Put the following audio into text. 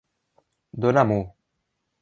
Dóna-m'ho.